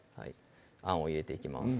あんを入れていきます